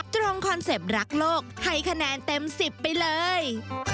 คอนเซ็ปต์รักโลกให้คะแนนเต็ม๑๐ไปเลย